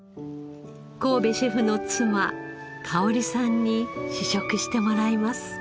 神戸シェフの妻かをりさんに試食してもらいます。